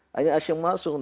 hanya asyik masuk